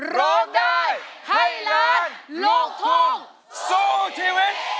ร้องได้ให้ล้านลูกทุ่งสู้ชีวิต